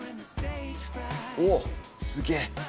おっ、すげえ。